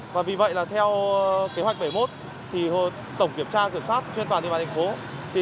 vì vậy theo kế hoạch bảy mươi một tổng kiểm tra kiểm soát trên toàn địa bàn thành phố